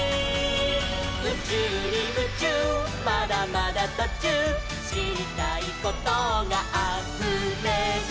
「うちゅうにムチューまだまだとちゅう」「しりたいことがあふれる」